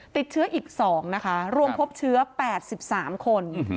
ติดเชื้ออีก๒นะคะรวมพบเชื้อ๘๓คน